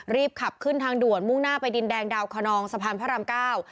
รีบขับขึ้นทางด่วนมุ่งหน้าไปดินแดงดาวคนองสะพานพระรามเก้า